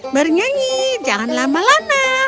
bernyanyi jangan lama lama